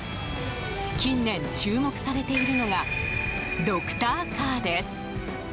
近年、注目されているのがドクターカーです。